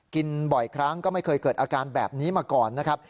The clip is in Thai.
บ่อยครั้งก็ไม่เคยเกิดอาการแบบนี้มาก่อนนะครับ